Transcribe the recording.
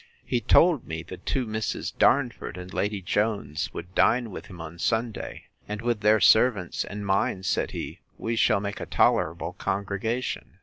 He told me the two Misses Darnford, and Lady Jones, would dine with him on Sunday: And, with their servants and mine, said he, we shall make a tolerable congregation.